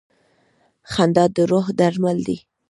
• خندا د روح درمل دی.